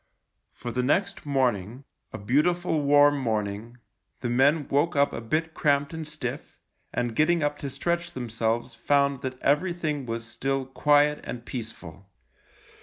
For the next morning — a beautiful warm morning — the men woke up a bit cramped and stiff, and getting up to stretch themselves found that everything was still quiet and peaceful.